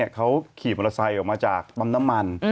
เขาขี่มอเตอร์ไซค์ออกมาจากปั๊มน้ำมัน